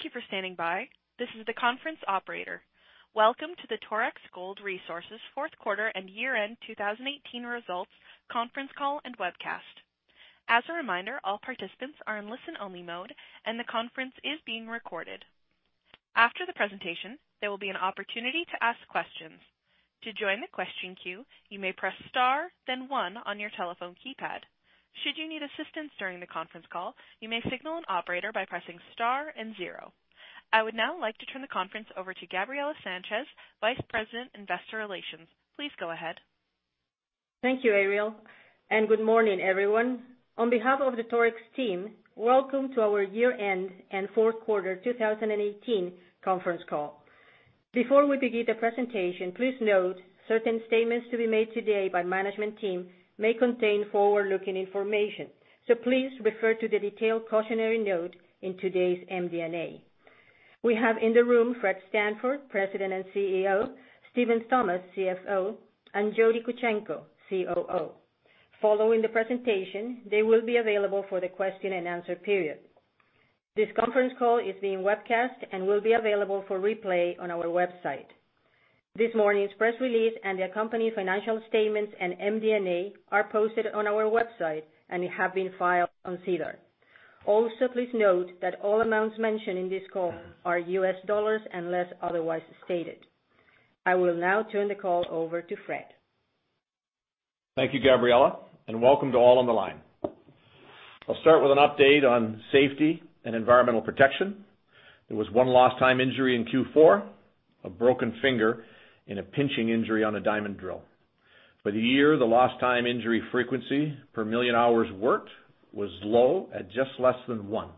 Thank you for standing by. This is the conference operator. Welcome to the Torex Gold Resources fourth quarter and year-end 2018 results conference call and webcast. As a reminder, all participants are in listen-only mode, and the conference is being recorded. After the presentation, there will be an opportunity to ask questions. To join the question queue, you may press star then one on your telephone keypad. Should you need assistance during the conference call, you may signal an operator by pressing star and zero. I would now like to turn the conference over to Gabriela Sanchez, Vice President, Investor Relations. Please go ahead. Thank you, Ariel, good morning, everyone. On behalf of the Torex team, welcome to our year-end and fourth quarter 2018 conference call. Before we begin the presentation, please note certain statements to be made today by management team may contain forward-looking information. Please refer to the detailed cautionary note in today's MD&A. We have in the room Fred Stanford, President and CEO, Steven Thomas, CFO, and Jody Kuzenko, COO. Following the presentation, they will be available for the question and answer period. This conference call is being webcast and will be available for replay on our website. This morning's press release and the accompanying financial statements and MD&A are posted on our website and have been filed on SEDAR. Please note that all amounts mentioned in this call are US dollars unless otherwise stated. I will now turn the call over to Fred. Thank you, Gabriela, welcome to all on the line. I'll start with an update on safety and environmental protection. There was one lost time injury in Q4, a broken finger in a pinching injury on a diamond drill. For the year, the lost time injury frequency per million hours worked was low at just less than one.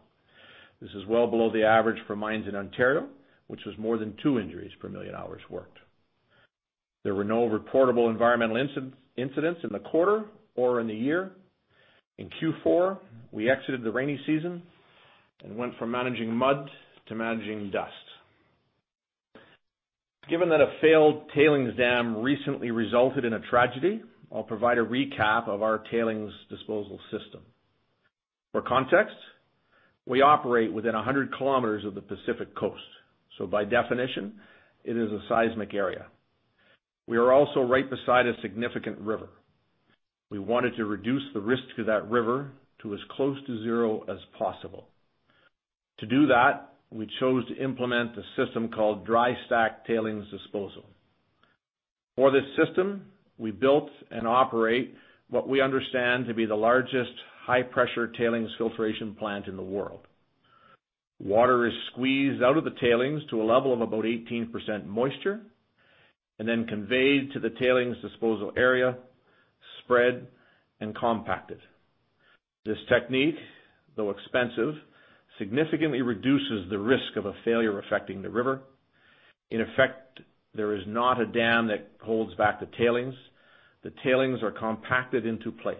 This is well below the average for mines in Ontario, which was more than two injuries per million hours worked. There were no reportable environmental incidents in the quarter or in the year. In Q4, we exited the rainy season and went from managing mud to managing dust. Given that a failed tailings dam recently resulted in a tragedy, I'll provide a recap of our tailings disposal system. For context, we operate within 100 km of the Pacific Coast, by definition, it is a seismic area. We are right beside a significant river. We wanted to reduce the risk to that river to as close to zero as possible. To do that, we chose to implement a system called dry stack tailings disposal. For this system, we built and operate what we understand to be the largest high-pressure tailings filtration plant in the world. Water is squeezed out of the tailings to a level of about 18% moisture conveyed to the tailings disposal area, spread, and compacted. This technique, though expensive, significantly reduces the risk of a failure affecting the river. In effect, there is not a dam that holds back the tailings. The tailings are compacted into place.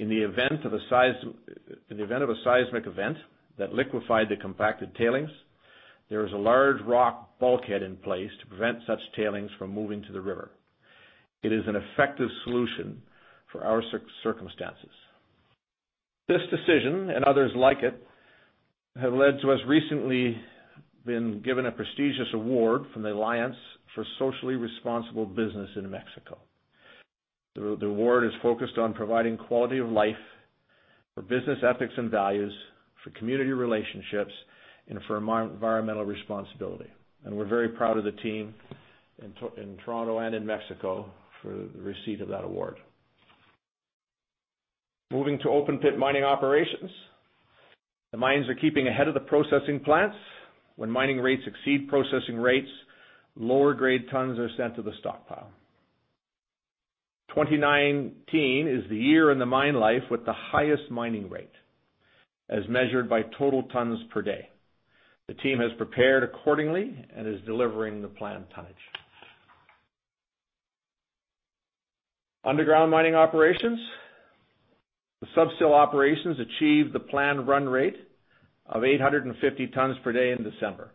In the event of a seismic event that liquefied the compacted tailings, there is a large rock bulkhead in place to prevent such tailings from moving to the river. It is an effective solution for our circumstances. This decision and others like it have led to us recently been given a prestigious award from the Alianza por la Responsabilidad Social Empresarial. The award is focused on providing quality of life for business ethics and values, for community relationships and for environmental responsibility. We're very proud of the team in Toronto and in Mexico for the receipt of that award. Moving to open pit mining operations. The mines are keeping ahead of the processing plants. When mining rates exceed processing rates, lower grade tons are sent to the stockpile. 2019 is the year in the mine life with the highest mining rate as measured by total tons per day. The team has prepared accordingly and is delivering the planned tonnage. Underground mining operations. The Sub-Sill operations achieved the planned run rate of 850 tons per day in December.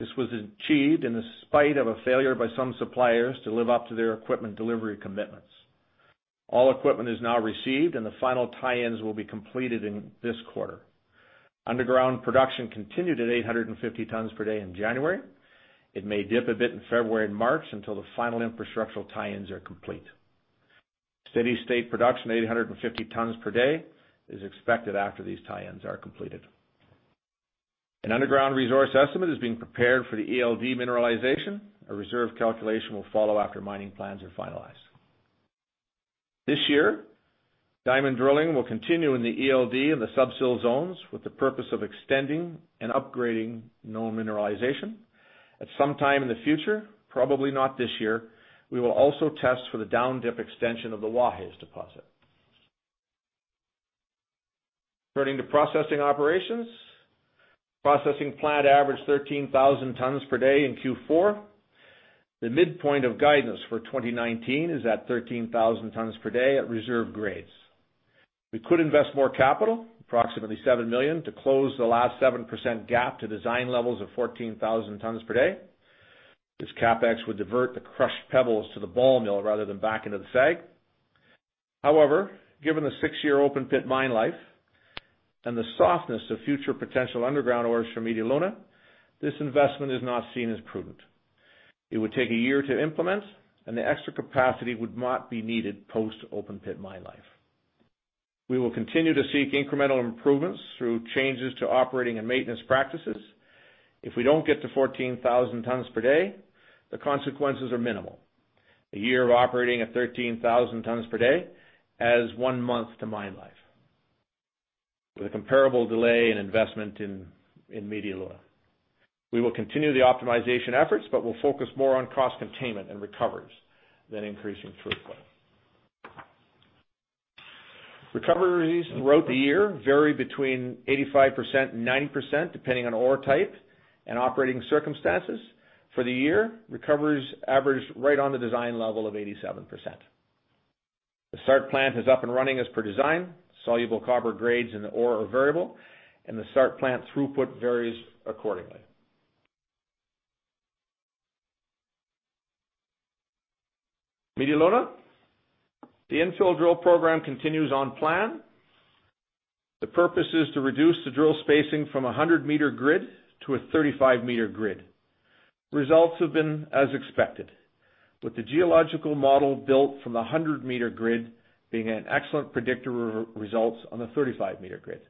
This was achieved in spite of a failure by some suppliers to live up to their equipment delivery commitments. All equipment is now received, and the final tie-ins will be completed in this quarter. Underground production continued at 850 tons per day in January. It may dip a bit in February and March until the final infrastructural tie-ins are complete. Steady state production, 850 tons per day, is expected after these tie-ins are completed. An underground resource estimate is being prepared for the ELD mineralization. A reserve calculation will follow after mining plans are finalized. This year, diamond drilling will continue in the ELD and the Sub-Sill zones with the purpose of extending and upgrading known mineralization. At some time in the future, probably not this year, we will also test for the down-dip extension of the Guajes deposit. Turning to processing operations. Processing plant averaged 13,000 tons per day in Q4. The midpoint of guidance for 2019 is at 13,000 tons per day at reserve grades. We could invest more capital, approximately $7 million, to close the last 7% gap to design levels of 14,000 tons per day. This CapEx would divert the crushed pebbles to the ball mill rather than back into the SAG. However, given the six-year open-pit mine life and the softness of future potential underground ores from Media Luna, this investment is not seen as prudent. It would take a year to implement, and the extra capacity would not be needed post open-pit mine life. We will continue to seek incremental improvements through changes to operating and maintenance practices. If we don't get to 14,000 tons per day, the consequences are minimal. A year of operating at 13,000 tons per day adds one month to mine life, with a comparable delay in investment in Media Luna. We will continue the optimization efforts, but will focus more on cost containment and recoveries than increasing throughput. Recoveries throughout the year vary between 85% and 90%, depending on ore type and operating circumstances. For the year, recoveries averaged right on the design level of 87%. The SART plant is up and running as per design. Soluble copper grades in the ore are variable, and the SART plant throughput varies accordingly. Media Luna, the infill drill program continues on plan. The purpose is to reduce the drill spacing from 100-meter grid to a 35-meter grid. Results have been as expected, with the geological model built from the 100-meter grid being an excellent predictor of results on the 35-meter grid.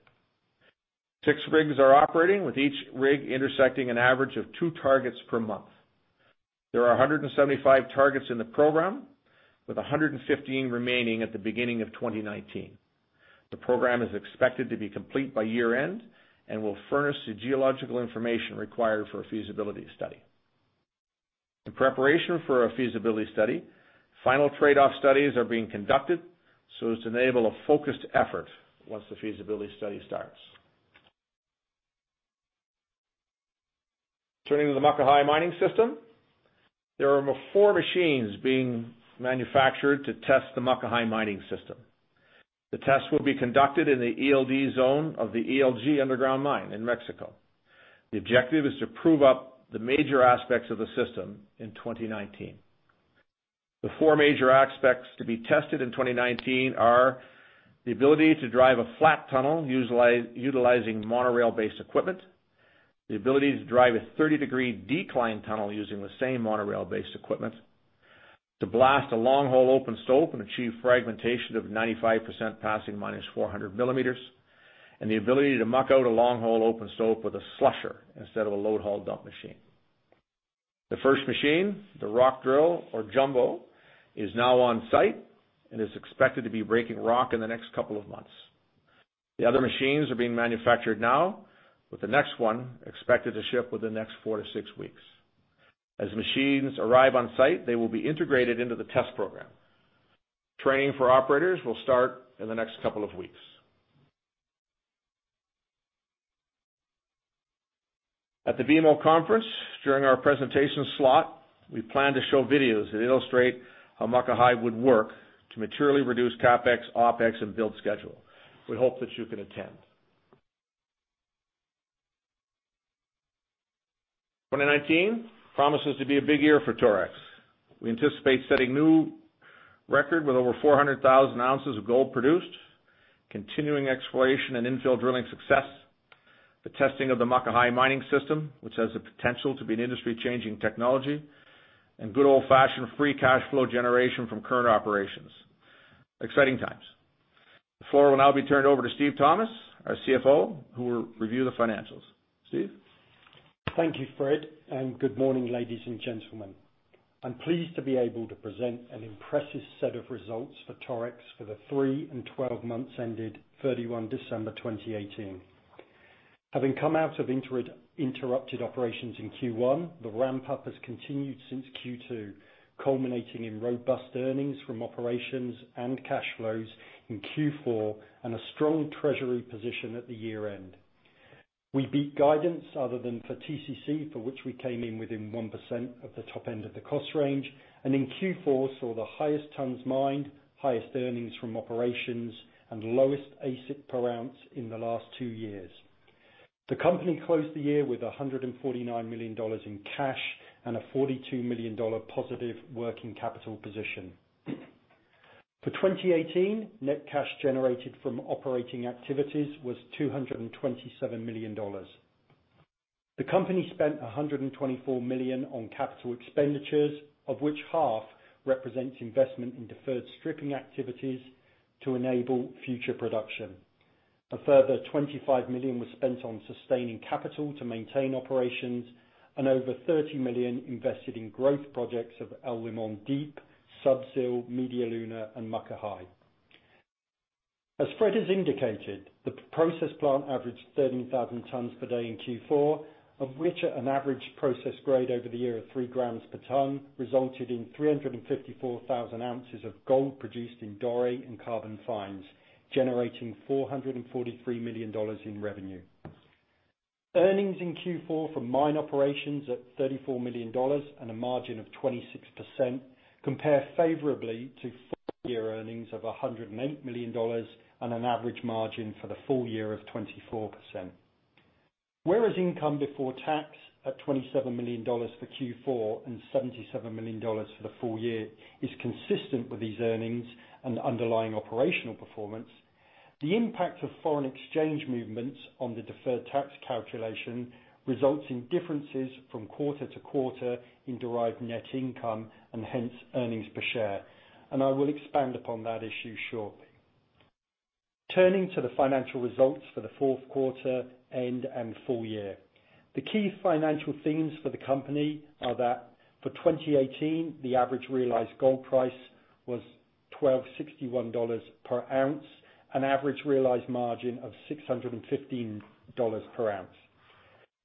Six rigs are operating, with each rig intersecting an average of two targets per month. There are 175 targets in the program, with 115 remaining at the beginning of 2019. The program is expected to be complete by year-end and will furnish the geological information required for a feasibility study. In preparation for a feasibility study, final trade-off studies are being conducted so as to enable a focused effort once the feasibility study starts. Turning to the Muckahi mining system, there are four machines being manufactured to test the Muckahi mining system. The test will be conducted in the ELD zone of the ELG underground mine in Mexico. The objective is to prove up the major aspects of the system in 2019. The four major aspects to be tested in 2019 are the ability to drive a flat tunnel utilizing monorail-based equipment, the ability to drive a 30-degree decline tunnel using the same monorail-based equipment, to blast a long-hole open stope and achieve fragmentation of 95% passing minus 400 millimeters, and the ability to muck out a long-hole open stope with a slusher instead of a load haul dump machine. The first machine, the rock drill or Jumbo, is now on-site and is expected to be breaking rock in the next couple of months. The other machines are being manufactured now, with the next one expected to ship within the next four to six weeks. As machines arrive on-site, they will be integrated into the test program. Training for operators will start in the next couple of weeks. At the BMO conference, during our presentation slot, we plan to show videos that illustrate how Muckahi would work to materially reduce CapEx, OpEx, and build schedule. We hope that you can attend. 2019 promises to be a big year for Torex. We anticipate setting new record with over 400,000 ounces of gold produced, continuing exploration and infill drilling success, the testing of the Muckahi mining system, which has the potential to be an industry-changing technology, and good old-fashioned free cash flow generation from current operations. Exciting times. The floor will now be turned over to Steve Thomas, our CFO, who will review the financials. Steve? Thank you, Fred, and good morning, ladies and gentlemen. I'm pleased to be able to present an impressive set of results for Torex for the three and 12 months ended 31 December 2018. Having come out of interrupted operations in Q1, the ramp-up has continued since Q2, culminating in robust earnings from operations and cash flows in Q4 and a strong treasury position at the year-end. We beat guidance other than for TCC, for which we came in within 1% of the top end of the cost range, and in Q4, saw the highest tons mined, highest earnings from operations, and lowest AISC per ounce in the last two years. The company closed the year with $149 million in cash and a $42 million positive working capital position. For 2018, net cash generated from operating activities was $227 million. The company spent $124 million on capital expenditures, of which half represents investment in deferred stripping activities to enable future production. A further $25 million was spent on sustaining capital to maintain operations and over $30 million invested in growth projects of El Limón Deep, Sub-Sill, Media Luna, and Muckahi. As Fred has indicated, the process plant averaged 13,000 tons per day in Q4, of which an average process grade over the year of 3 grams per ton resulted in 354,000 ounces of gold produced in Doré and carbon fines, generating $443 million in revenue. Earnings in Q4 for mine operations at $34 million and a margin of 26% compare favorably to 4-year earnings of $108 million and an average margin for the full year of 24%. Whereas income before tax at $27 million for Q4 and $77 million for the full year is consistent with these earnings and underlying operational performance, the impact of foreign exchange movements on the deferred tax calculation results in differences from quarter to quarter in derived net income, and hence earnings per share. I will expand upon that issue shortly. Turning to the financial results for the fourth quarter-end and full year. The key financial themes for the company are that for 2018, the average realized gold price was $1,261 per ounce, an average realized margin of $615 per ounce.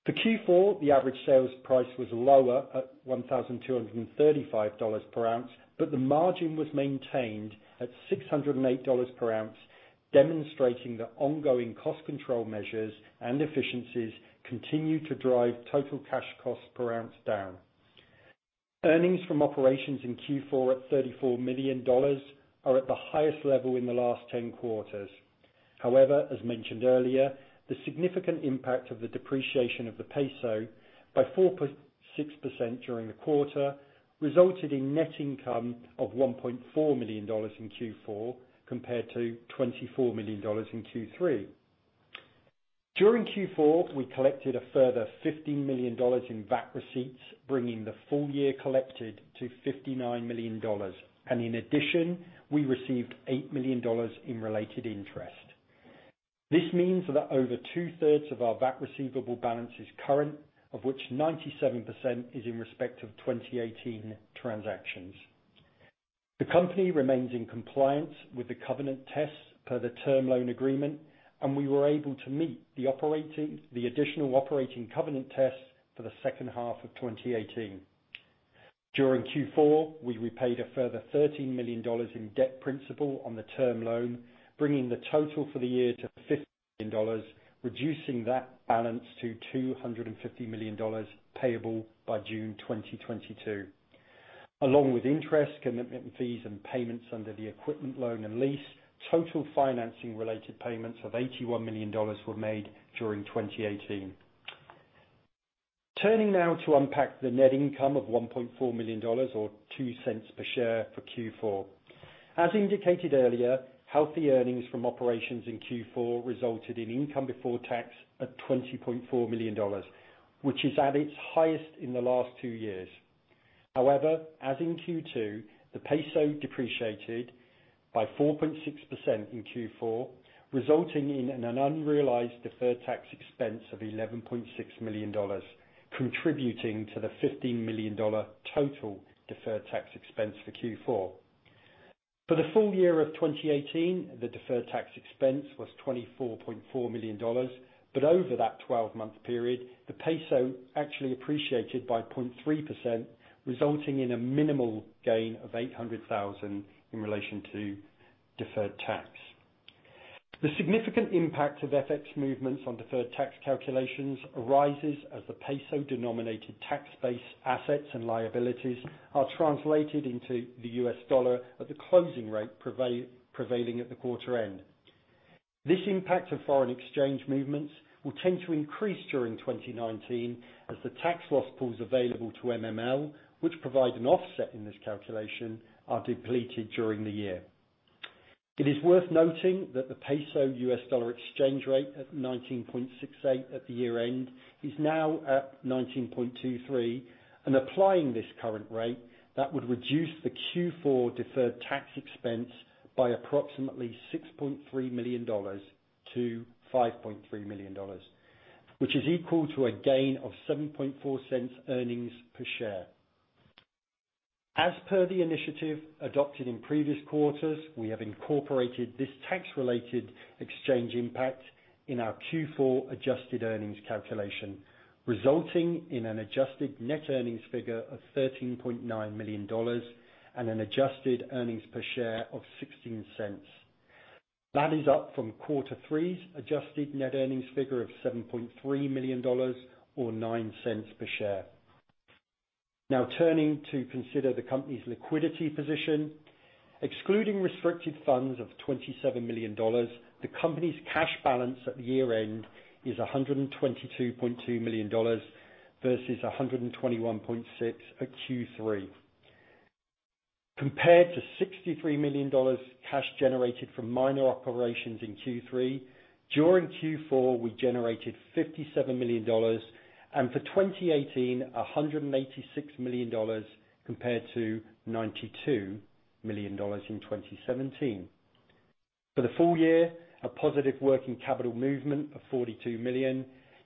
For Q4, the average sales price was lower at $1,235 per ounce, but the margin was maintained at $608 per ounce, demonstrating that ongoing cost control measures and efficiencies continue to drive total cash costs per ounce down. Earnings from operations in Q4 at $34 million are at the highest level in the last 10 quarters. However, as mentioned earlier, the significant impact of the depreciation of the peso by 4.6% during the quarter resulted in net income of $1.4 million in Q4, compared to $24 million in Q3. During Q4, we collected a further $15 million in VAT receipts, bringing the full year collected to $59 million, and in addition, we received $8 million in related interest. This means that over two-thirds of our VAT receivable balance is current, of which 97% is in respect of 2018 transactions. The company remains in compliance with the covenant tests per the term loan agreement, and we were able to meet the additional operating covenant tests for the second half of 2018. During Q4, we repaid a further $13 million in debt principal on the term loan, bringing the total for the year to $50 million, reducing that balance to $250 million payable by June 2022. Along with interest commitment fees and payments under the equipment loan and lease, total financing-related payments of $81 million were made during 2018. Turning now to unpack the net income of $1.4 million or $0.02 per share for Q4. As indicated earlier, healthy earnings from operations in Q4 resulted in income before tax at $20.4 million, which is at its highest in the last two years. However, as in Q2, the peso depreciated by 4.6% in Q4, resulting in an unrealized deferred tax expense of $11.6 million, contributing to the $15 million total deferred tax expense for Q4. For the full year of 2018, the deferred tax expense was $24.4 million. Over that 12-month period, the peso actually appreciated by 0.3%, resulting in a minimal gain of $800,000 in relation to deferred tax. The significant impact of FX movements on deferred tax calculations arises as the peso-denominated tax-based assets and liabilities are translated into the US dollar at the closing rate prevailing at the quarter end. This impact of foreign exchange movements will tend to increase during 2019 as the tax loss pools available to MML, which provide an offset in this calculation, are depleted during the year. It is worth noting that the peso-US dollar exchange rate at 19.68 at the year-end is now at 19.23. Applying this current rate, that would reduce the Q4 deferred tax expense by approximately $6.3 million-$5.3 million, which is equal to a gain of $0.074 earnings per share. As per the initiative adopted in previous quarters, we have incorporated this tax-related exchange impact in our Q4 adjusted earnings calculation, resulting in an adjusted net earnings figure of $13.9 million and an adjusted earnings per share of $0.16. That is up from quarter three's adjusted net earnings figure of $7.3 million or $0.09 per share. Turning to consider the company's liquidity position. Excluding restricted funds of $27 million, the company's cash balance at the year-end is $122.2 million versus $121.6 million at Q3. Compared to $63 million cash generated from mine operations in Q3, during Q4, we generated $57 million. For 2018, $186 million compared to $92 million in 2017. For the full year, a positive working capital movement of $42 million,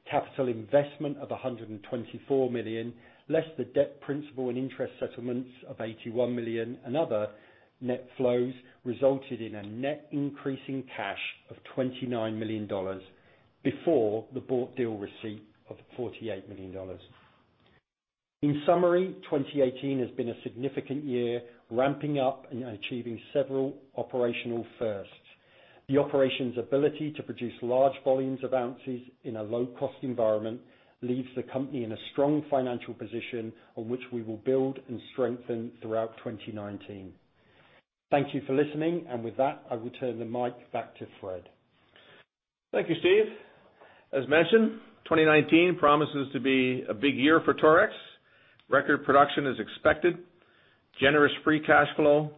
capital investment of $124 million, less the debt principal, interest settlements of $81 million and other net flows resulted in a net increase in cash of $29 million before the bought deal receipt of the $48 million. In summary, 2018 has been a significant year, ramping up and achieving several operational firsts. The operation's ability to produce large volumes of ounces in a low-cost environment leaves the company in a strong financial position on which we will build and strengthen throughout 2019. Thank you for listening. With that, I return the mic back to Fred. Thank you, Steve. As mentioned, 2019 promises to be a big year for Torex. Record production is expected, generous free cash flow,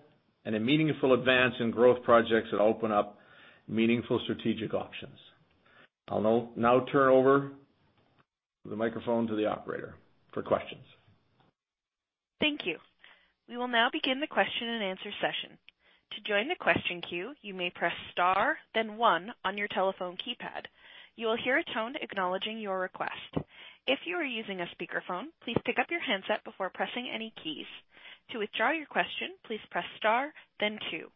a meaningful advance in growth projects that open up meaningful strategic options. I'll turn over the microphone to the operator for questions. Thank you. We will now begin the question and answer session. To join the question queue, you may press star then one on your telephone keypad. You will hear a tone acknowledging your request. If you are using a speakerphone, please pick up your handset before pressing any keys. To withdraw your question, please press star then two.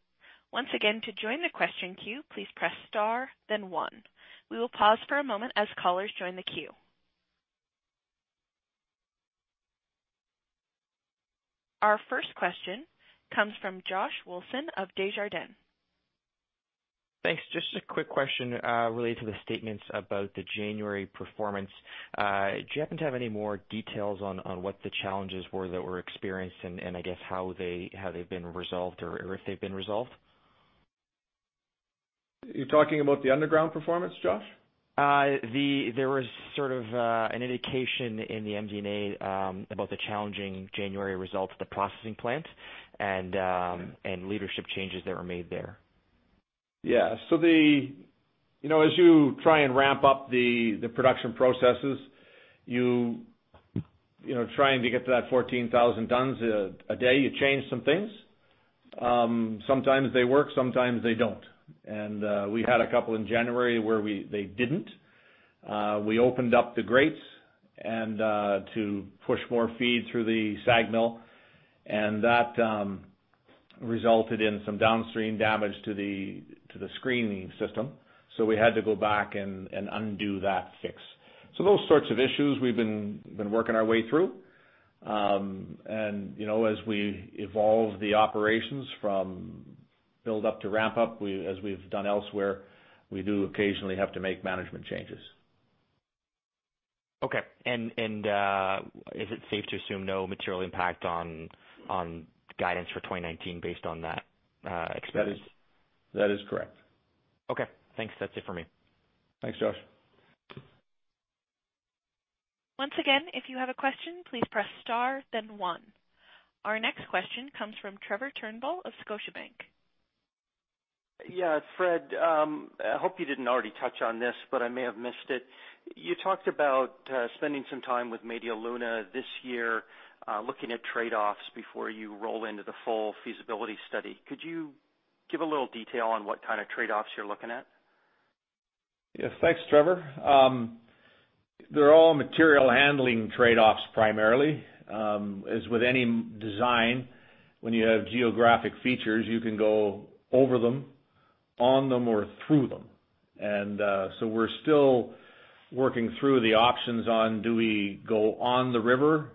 Once again, to join the question queue, please press star then one. We will pause for a moment as callers join the queue. Our first question comes from Josh Wilson of Desjardins. Thanks. Just a quick question related to the statements about the January performance. Do you happen to have any more details on what the challenges were that were experienced and, I guess, how they've been resolved or if they've been resolved? You're talking about the underground performance, Josh? There was sort of an indication in the MD&A about the challenging January results at the processing plant and leadership changes that were made there. Yeah. As you try and ramp up the production processes, trying to get to that 14,000 tons a day, you change some things. Sometimes they work, sometimes they don't. We had a couple in January where they didn't. We opened up the grates to push more feed through the SAG mill, and that resulted in some downstream damage to the screening system, so we had to go back and undo that fix. Those sorts of issues we've been working our way through. As we evolve the operations from build up to ramp up, as we've done elsewhere, we do occasionally have to make management changes. Okay. Is it safe to assume no material impact on guidance for 2019 based on that experience? That is correct. Okay. Thanks. That's it for me. Thanks, Josh. Once again, if you have a question, please press star then one. Our next question comes from Trevor Turnbull of Scotiabank. Yeah, Fred, I hope you didn't already touch on this, but I may have missed it. You talked about spending some time with Media Luna this year, looking at trade-offs before you roll into the full feasibility study. Could you give a little detail on what kind of trade-offs you're looking at? Yes. Thanks, Trevor. They're all material handling trade-offs primarily. As with any design, when you have geographic features, you can go over them, on them, or through them. We're still working through the options on do we go on the river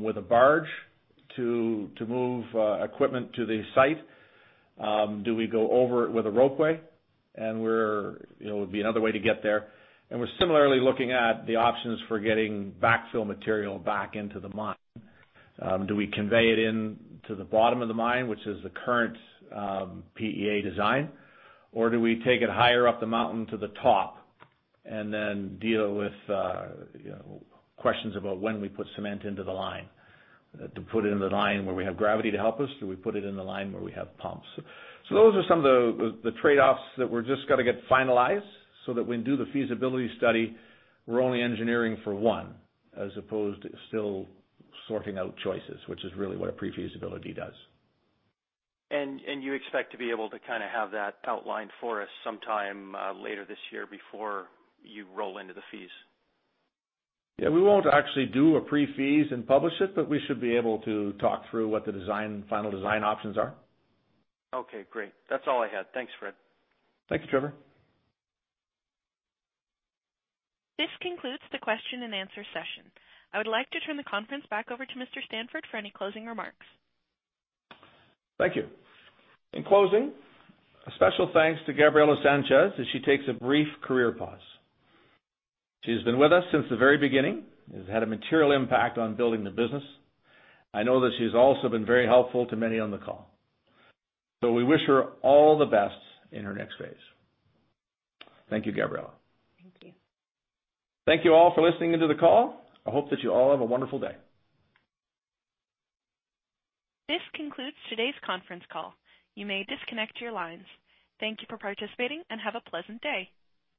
with a barge to move equipment to the site? Do we go over it with a ropeway? It would be another way to get there. We're similarly looking at the options for getting backfill material back into the mine. Do we convey it into the bottom of the mine, which is the current PEA design, or do we take it higher up the mountain to the top and then deal with questions about when we put cement into the line? To put it in the line where we have gravity to help us? Do we put it in the line where we have pumps? Those are some of the trade-offs that we're just going to get finalized so that when we do the feasibility study, we're only engineering for one, as opposed to still sorting out choices, which is really what a pre-feasibility does. You expect to be able to have that outlined for us sometime later this year before you roll into the fees? Yeah. We won't actually do a pre-fees and publish it, but we should be able to talk through what the final design options are. Okay, great. That's all I had. Thanks, Fred. Thanks, Trevor. This concludes the question and answer session. I would like to turn the conference back over to Mr. Stanford for any closing remarks. Thank you. In closing, a special thanks to Gabriela Sanchez as she takes a brief career pause. She's been with us since the very beginning and has had a material impact on building the business. I know that she's also been very helpful to many on the call. We wish her all the best in her next phase. Thank you, Gabriela. Thank you. Thank you all for listening into the call. I hope that you all have a wonderful day. This concludes today's conference call. You may disconnect your lines. Thank you for participating and have a pleasant day.